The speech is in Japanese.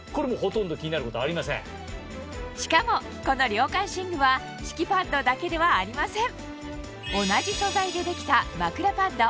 しかもこの涼感寝具は敷きパッドだけではありません